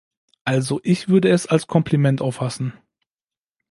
Also ich würde es als Kompliment auffassen.